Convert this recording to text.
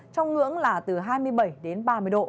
trong ngưỡng là từ hai mươi bảy đến ba mươi độ